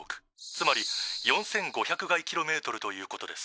つまり４，５００垓ｋｍということです」。